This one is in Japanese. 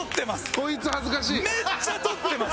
こいつ恥ずかしい！